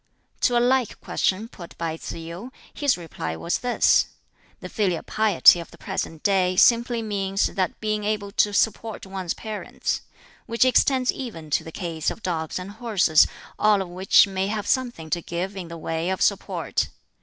To a like question put by Tsz yu, his reply was this: "The filial piety of the present day simply means the being able to support one's parents which extends even to the case of dogs and horses, all of which may have something to give in the way of support.